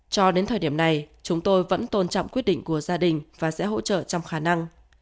cho đến thời điểm này chúng tôi vẫn tôn trọng quyết định của gia đình và sẽ hỗ trợ trong khả năng